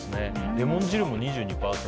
レモン汁も２２％。